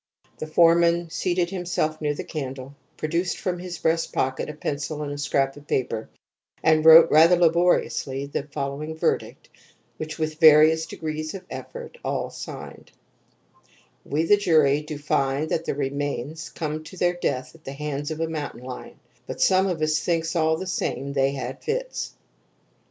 The foreman seated himself near the candle, produced from his breast pocket a pencil and scrap of paper, and wrote rather laboriously the following verdict, which with various degrees of effort all signed: "We, the jury, do find that the remains come to their death at the hands of a mountain lion, but some of us thinks, all the same, they had fits."